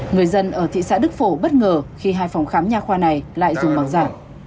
người dân ở thị xã đức phổ bất ngờ khi hai phòng khám nhà khoa này lại dùng bằng giả